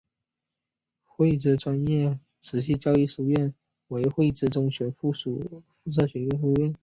汇知专业持续教育书院为汇知中学附设书院。